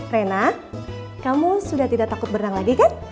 rena kamu sudah tidak takut berenang lagi kan